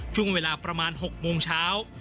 ช่วงเวลาประมาณ๖โมงเช้า